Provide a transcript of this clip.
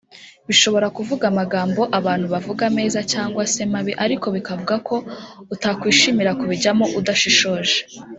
Bishobora kuvuga amagambo abantu bavuga meza cyangwa se mabi ariko bikavuga ko utakwishimira kubijyamo udashishoje